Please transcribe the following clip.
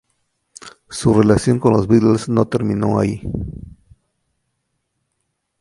Su relación con los Beatles no terminó ahí.